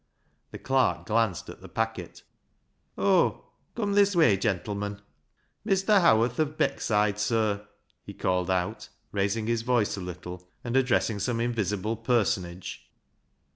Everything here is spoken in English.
The clerk glanced at the packet. " Oh, come this way, gentlemen." " Mr. Howarth, of Beckside, sir," he called out, raising his voice a little, and addressing some invisible personage.